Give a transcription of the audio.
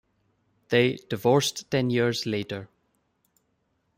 They divorced ten years later.